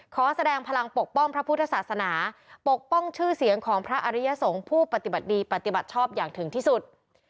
แสดงพลังปกป้องพระพุทธศาสนาปกป้องชื่อเสียงของพระอริยสงฆ์ผู้ปฏิบัติดีปฏิบัติชอบอย่างถึงที่สุด